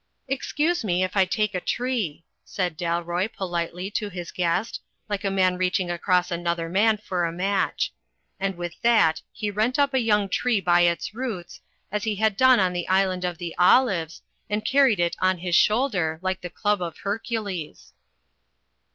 "Excuse me if I take a tree," said Dalroy, politely, to his guest, like a man reaching across another man for a match. And with that he rent up a young tree by its roots, as he had done in the Island of the Olives, and carried it on his shoulder, like the club of Her cules.